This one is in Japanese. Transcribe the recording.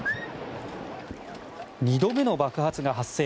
２度目の爆発が発生。